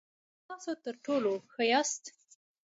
چې تاسو تر ټولو ښه یاست .